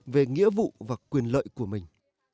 về nghĩa vụ và quyền lợi của mình